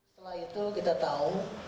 setelah itu kita tahu